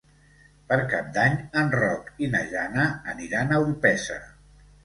Per Cap d'Any en Roc i na Jana aniran a Orpesa.